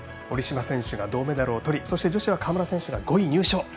堀島選手が銅メダルをとりそして女子は川村選手が５位入賞。